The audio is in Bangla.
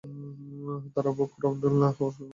তার আবু বকর আবদুল্লাহ হওয়ার সম্ভাবনা রয়েছে।